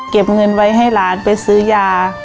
เก็บเงินไว้ให้หลานไปซื้อยา